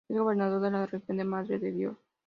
Es gobernador de la región de Madre de Dios.